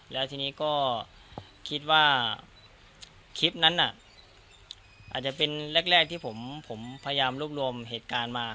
แล้วทีนี้ก็คิดว่าคลิปนั้นน่ะอาจจะเป็นแรกที่ผมพยายามรวบรวมเหตุการณ์มา